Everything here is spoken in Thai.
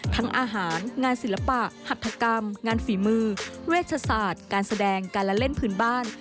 อาหารงานศิลปะหัฐกรรมงานฝีมือเวชศาสตร์การแสดงการละเล่นพื้นบ้าน